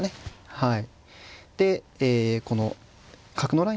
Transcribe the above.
はい。